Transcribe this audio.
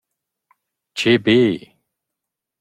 Che bel!